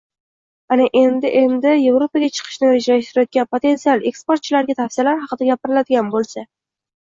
Agar endi-endi Yevropaga chiqishni rejalashtirayotgan potensial eksportchilarga tavsiyalar haqida gapiriladigan bo‘lsa.